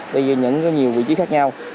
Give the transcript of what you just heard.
tuy nhiên có nhiều vị trí khác nhau